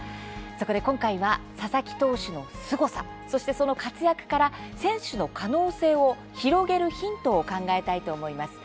そこで今回は佐々木投手のすごさそして、その活躍から選手の可能性を広げるヒントを考えたいと思います。